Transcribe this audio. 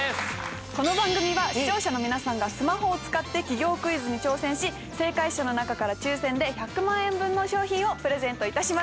この番組は視聴者の皆さんがスマホを使って企業クイズに挑戦し正解者の中から抽選で１００万円分の商品をプレゼント致します。